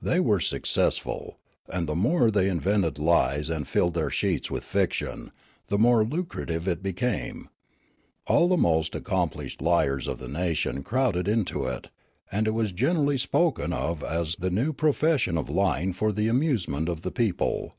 They were successful ; and the more they iuv^ented lies and filled their sheets with fiction, the more lucrative it became. All the most accomplished liars of the nation crowded into it, and it was generally spoken of as the new pro fession of lying for the amusement of the people.